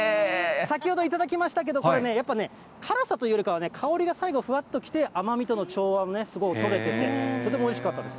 先ほど頂きましたけど、これね、やっぱりね、辛さというよりかは香りが最後、ふわっと来て、甘みとの調和もね、すごい取れてて、とてもおいしかったです。